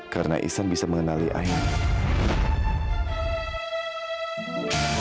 karena ihsan bisa mengenali ayah